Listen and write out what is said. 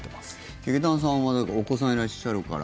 劇団さんはお子さんいらっしゃるから。